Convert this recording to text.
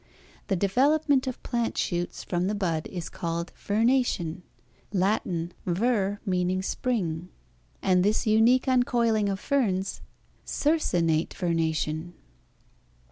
The development of plant shoots from the bud is called vernation (Latin, ver meaning spring), and this unique uncoiling of ferns, "circinnate vernation."